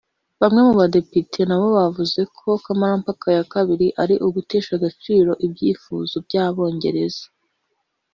Bamwe mu badepite na bo bavuze ko kamarampaka ya kabiri ari ugutesha agaciro ibyifuzo by’Abongereza